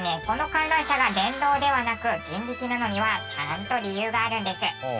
この観覧車が電動ではなく人力なのにはちゃんと理由があるんです。